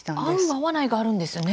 合う合わないがあるんですね。